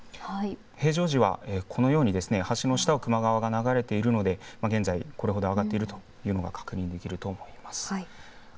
平常時はこのように橋の下を球磨川が流れているのでそれが現在、ここまで上がっているというのが確認できると思います。